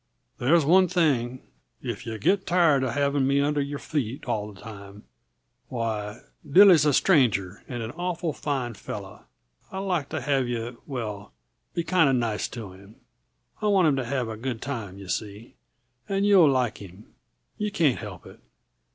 "There's one thing. If yuh get tired uh having me under your feet all the time, why Dilly's a stranger and an awful fine fellow; I'd like to have you well, be kinda nice to him. I want him to have a good time, you see, and you'll like him. You can't help it.